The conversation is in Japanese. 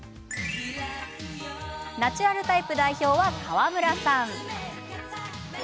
ナチュラルタイプ代表は川村さん。